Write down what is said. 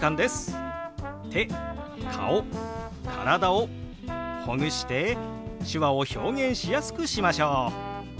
手顔体をほぐして手話を表現しやすくしましょう！